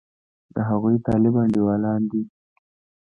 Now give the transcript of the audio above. د هغوی طالب انډېوالان دي.